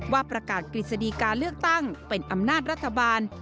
ว่าประกาศกฤษฎีการเลือกตั้งเป็นอำนาจรัฐบาล